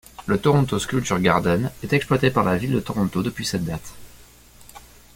Le Toronto Sculpture Garden est exploité par la Ville de Toronto depuis cette date.